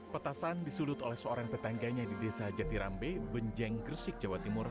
petasan disulut oleh seorang tetangganya di desa jatirambe benjeng gresik jawa timur